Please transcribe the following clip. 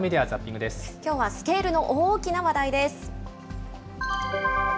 きょうはスケールの大きな話題です。